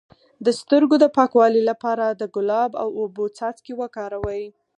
د سترګو د پاکوالي لپاره د ګلاب او اوبو څاڅکي وکاروئ